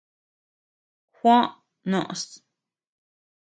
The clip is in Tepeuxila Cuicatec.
Juó noʼös.